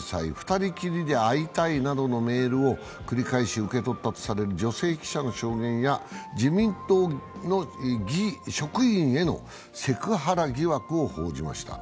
２人きりで会いたいなどのメールを繰り返し受け取ったとされる女性記者の証言や自民党の職員へのセクハラ疑惑を報じました。